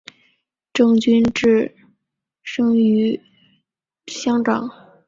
郑君炽生于香港。